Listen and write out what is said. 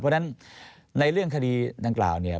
เพราะฉะนั้นในเรื่องคดีดังกล่าวเนี่ย